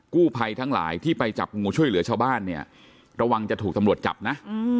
กู้ภัยทั้งหลายที่ไปจับงูช่วยเหลือชาวบ้านเนี่ยระวังจะถูกตำรวจจับนะ